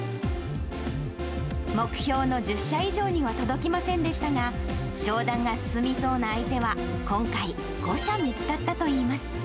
目標の１０社以上には届きませんでしたが、商談が進みそうな相手は、今回、５社見つかったといいます。